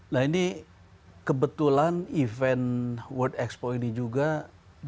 nah ini kebetulan event world expo ini juga dilakukan